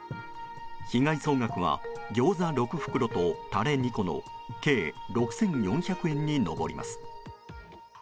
被害総額はギョーザ６袋とタレ２個の計６４００円に上ります。